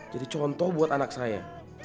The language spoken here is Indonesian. jadi contoh buat anak saya